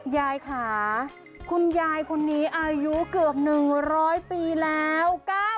ยายค่ะคุณยายคนนี้อายุเกือบ๑๐๐ปีแล้ว